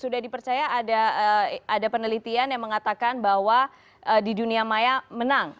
sudah dipercaya ada survei sudah dipercaya ada penelitian yang mengatakan bahwa di dunia maya menang